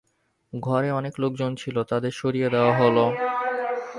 ঘরে অনেক লোকজন ছিল, তাদের সরিয়ে দেওয়া হল।